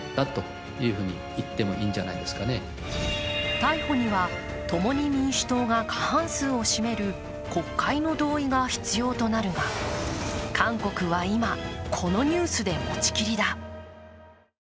逮捕には、共に民主党が過半数を占める国会の同意が必要となるが韓国は今、このニュースで持ちきりだ。